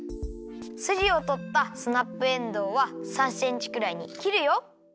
スジをとったスナップエンドウは３センチくらいにきるよ。